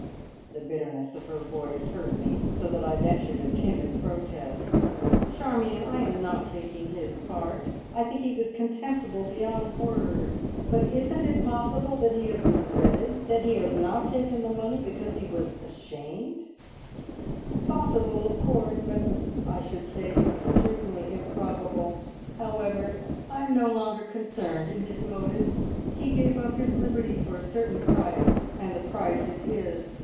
The bitterness of her voice hurt me so that I ventured a timid protest. "Charmion, I am not taking his part. I think he was contemptible beyond words; but isn't it possible that he has regretted, that he has not taken the money because he was ashamed?" "Possible, of course; but I should say extremely improbable. However, I am no longer concerned in his motives. He gave up his liberty for a certain price, and the price is his.